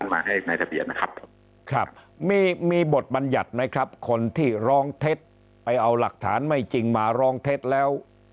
มาให้ในทะเบียนนะครับครับมีมีบทบัญญัติไหมครับคนที่ร้องเท็จไปเอาหลักฐานไม่จริงมาร้องเท็จแล้ว